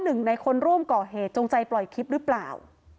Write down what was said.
หนึ่งในคนร่วมก่อเหตุจงใจปล่อยคลิปหรือเปล่า